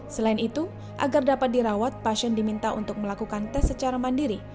selain itu agar dapat dirawat pasien diminta untuk melakukan tes secara mandiri